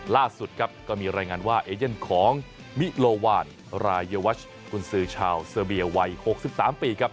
ล่าสุดก็มีรายงานว่าเอเจนของมิโลวานราเยวัชคุณสือชาวเสิร์ฟเบียวัย๖๓ปี